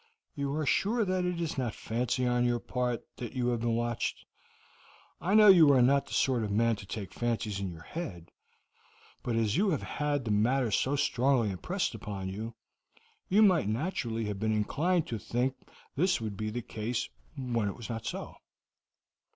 You are sure that it is not fancy on your part that you have been watched? I know you are not the sort of man to take fancies in your head, but as you have had the matter so strongly impressed upon you, you might naturally have been inclined to think this would be the case when it was not so."